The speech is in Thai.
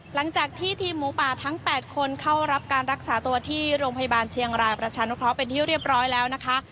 หลังจากที่ทีมหมูป่าทั้ง๘คนเข้ารับการรักษาตัวที่โรงพยาบาลเชียงรายประชานุเคราะห์เป็นที่เรียบร้อยแล้วนะคะ